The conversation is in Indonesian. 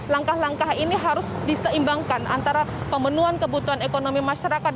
langkah langkah ini harus diseimbangkan antara pemenuhan kebutuhan ekonomi masyarakat